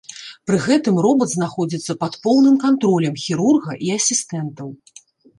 Пры гэтым робат знаходзіцца пад поўным кантролем хірурга і асістэнтаў.